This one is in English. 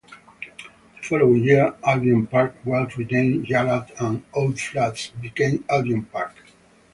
The following year, "Albion Park" was renamed Yallah and "Oak Flats" became Albion Park.